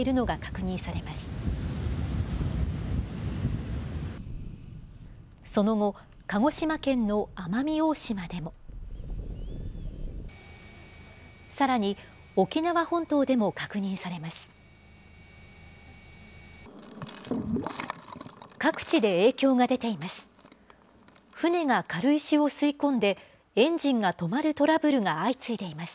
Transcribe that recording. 各地で影響が出ています。